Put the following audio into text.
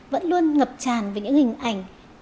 vẫn luôn ngập tràn với những hình ảnh